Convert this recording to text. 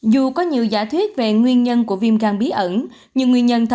dù có nhiều giả thuyết về nguyên nhân của viêm gan bí ẩn